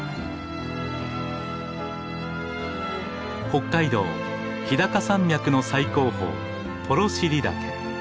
北海道日高山脈の最高峰幌尻岳。